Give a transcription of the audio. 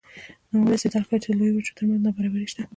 نوموړی استدلال کوي چې د لویو وچو ترمنځ نابرابري شته.